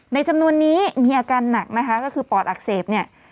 จำนวนนี้มีอาการหนักนะคะก็คือปอดอักเสบเนี่ย